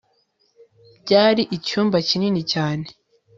byari icyumba kinini cyane